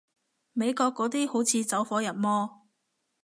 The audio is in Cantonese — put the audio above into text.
美國嗰啲好似走火入魔